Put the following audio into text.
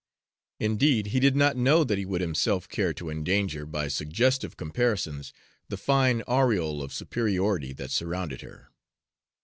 Indeed, he did not know that he would himself care to endanger, by suggestive comparisons, the fine aureole of superiority that surrounded her.